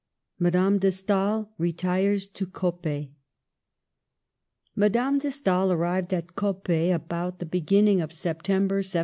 MADAME DE STAEL RETIRES TO COPPET. Madame d£ Stael arrived at Coppet about the beginning of September, 1792.